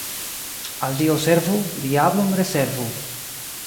Al Dio servu, diablon rezervu.